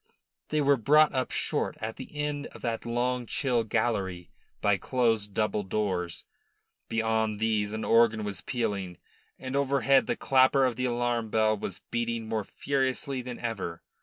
They were brought up short at the end of that long, chill gallery by closed double doors. Beyond these an organ was pealing, and overhead the clapper of the alarm bell was beating more furiously than ever.